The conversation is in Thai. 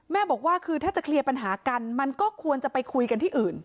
บอกว่าคือถ้าจะเคลียร์ปัญหากันมันก็ควรจะไปคุยกันที่อื่น